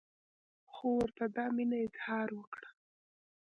خو ورته دا مینه اظهار وکړه.